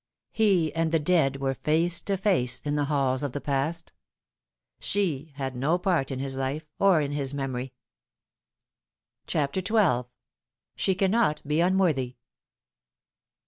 He and the dead were face to face in the halls of the past. She had no part in his life, or in his memory. 102 The Fatal Three. CHAPTER XIL " SHE CANNOT BE UNWORTHY."